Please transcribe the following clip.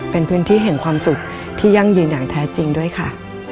เป็นพื้นที่แห่งความสุขที่ยั่งยืนอย่างแท้จริงด้วยค่ะ